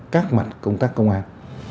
các mặt công tác công an